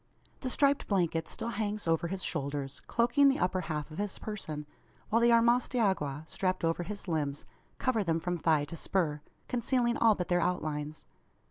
The striped blanket still hangs over his shoulders, cloaking the upper half of his person; while the armas de agua, strapped over his limbs, cover them from thigh to spur, concealing all but their outlines.